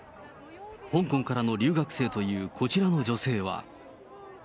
香港からの留学生というこちらの女性は。